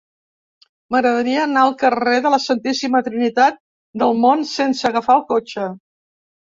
M'agradaria anar al carrer de la Santíssima Trinitat del Mont sense agafar el cotxe.